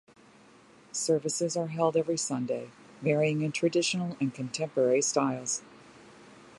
Services are held every Sunday, varying in traditional and contemporary styles.